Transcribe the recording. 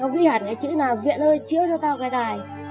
nó ghi hẳn cái chữ nào viện ơi chiếu cho tao cái đài